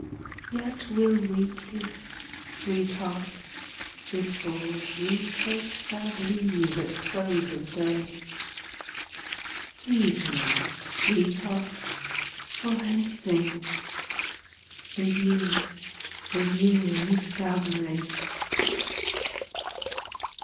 Yet will we kiss, sweetheart, before We take sad leave at close of day. Grieve not, sweetheart, for anything — The year, the year is gathering.